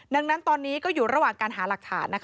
ดังนั้นตอนนี้ก็อยู่ระหว่างการหาหลักฐาน